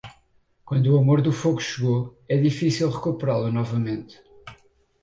Quando o amor do fogo chegou, é difícil recuperá-lo novamente.